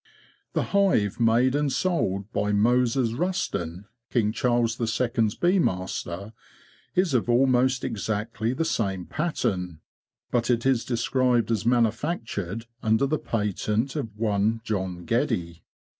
The hive made and sold by Moses Rusden, King Charles II.'s bee master, is of almost exactly the same pattern, but it is described as manufactured under the patent of one John Geddie.